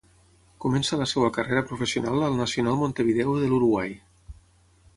Comença la seua carrera professional al Nacional Montevideo de l'Uruguai.